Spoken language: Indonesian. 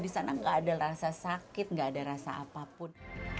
di sana nggak ada rasa sakit gak ada rasa apapun